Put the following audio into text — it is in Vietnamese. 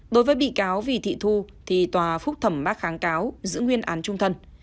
đối với bị cáo vì thị thu thì tòa phúc thẩm bác kháng cáo giữ nguyên án trung thân